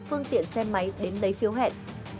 phương tiện xe máy đến lấy phiếu hẹn